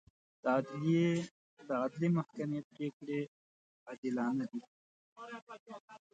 د عدلي محکمې پرېکړې عادلانه دي.